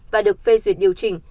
và được phê duyệt điều chỉnh